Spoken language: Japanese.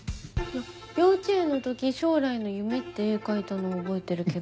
幼稚園の時将来の夢って絵描いたのは覚えてるけど。